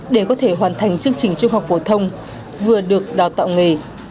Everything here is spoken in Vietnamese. để có thể hoàn thành chương trình trung học phổ thông vừa được đào tạo nghề